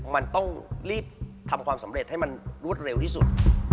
มันต้องรีบทำความสำเร็จให้มันรวดเร็วที่สุด